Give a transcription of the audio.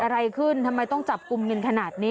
อะไรขึ้นทำไมต้องจับกลุ่มกันขนาดนี้